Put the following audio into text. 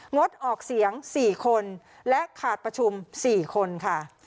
งดออกเสียง๔คนและขาดประชุม๔คนค่ะ